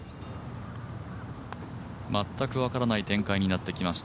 全く分からない展開になってきました。